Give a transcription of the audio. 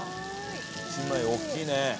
１枚大きいね。